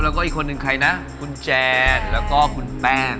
แล้วก็อีกคนนึงใครนะคุณแจนแล้วก็คุณแป้ง